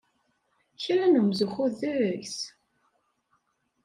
Kra n umzuxxu deg-s!